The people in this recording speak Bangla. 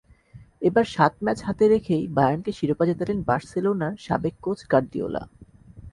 এবার সাত ম্যাচ হাতে রেখেই বায়ার্নকে শিরোপা জেতালেন বার্সেলোনার সাবেক কোচ গার্দিওলা।